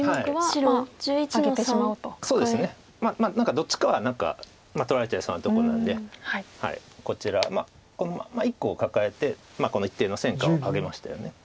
どっちかは取られちゃいそうなとこなんでこちらこの１個をカカえて一定の戦果を上げましたよね。